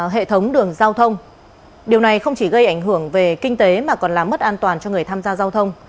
hệ thống đường giao thông điều này không chỉ gây ảnh hưởng về kinh tế mà còn làm mất an toàn cho người tham gia giao thông